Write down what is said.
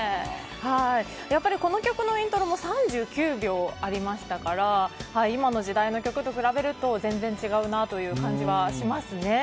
この曲のイントロも３９秒ありましたから今の時代の曲と比べると全然違うなという感じがしますね。